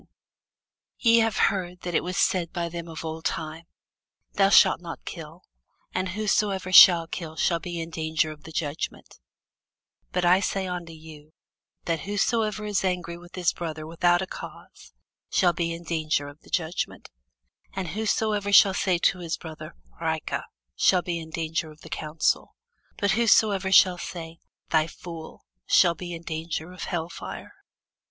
[Sidenote: St. Matthew 6] Ye have heard that it was said by them of old time, Thou shalt not kill; and whosoever shall kill shall be in danger of the judgment: but I say unto you, That whosoever is angry with his brother without a cause shall be in danger of the judgment: and whosoever shall say to his brother, Raca, shall be in danger of the council: but whosoever shall say, Thou fool, shall be in danger of hell fire.